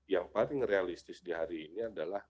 yang paling realistis di hari ini adalah